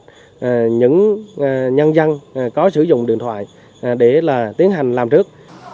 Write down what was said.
tất cả các lực lượng nhân dân có sử dụng điện thoại để tiến hành làm trước